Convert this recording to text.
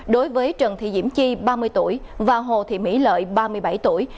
đối với trần thị diễm chi ba mươi tuổi và hồ thị mỹ lợi ba mươi bảy tuổi